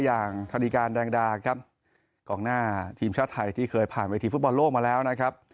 อย่างธนิการแดงดาครับกองหน้าทีมชาติไทยที่เคยผ่านเวทีฟุตบอลโลกมาแล้วนะครับ